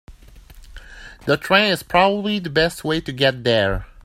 The train is probably the best way to get there.